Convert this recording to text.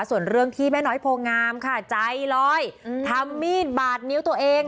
ส่วนเรื่องที่แม่น้อยโพงามค่ะใจลอยทำมีดบาดนิ้วตัวเอง